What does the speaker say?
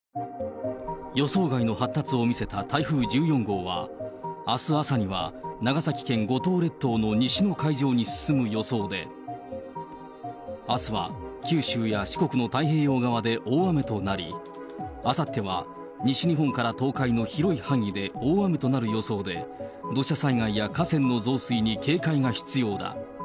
予想外の発達を見せた台風１４号は、あす朝には、長崎県五島列島の西の海上に進む予想で、あすは九州や四国の太平洋側で大雨となり、あさっては西日本から東海の広い範囲で大雨となる予想で、土砂災害や河川の増水に警戒が必要だ。